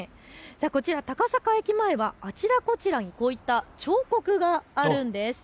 こちら高坂駅前はあちらこちらにこういった彫刻があるんです。